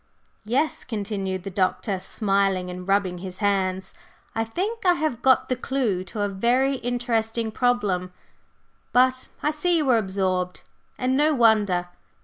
"Yes," continued the Doctor, smiling and rubbing his hands, "I think I have got the clue to a very interesting problem. But I see you are absorbed and no wonder!